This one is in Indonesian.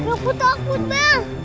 aku takut bang